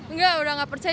ngga udah gak percaya